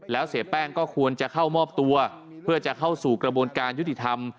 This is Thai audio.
แล้วเสียแป้งก็ควรจะเข้ามอบตัวเพื่อจะเข้าสู่กระบวนการยุติธรรม